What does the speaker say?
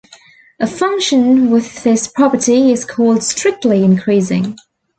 A function with this property is called strictly increasing.